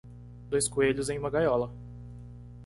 Dois coelhos em uma gaiola.